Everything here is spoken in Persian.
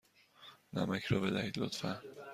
نمک را بدهید، لطفا.